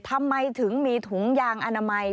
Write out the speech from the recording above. ทำไมถึงมีถุงยางอนามัย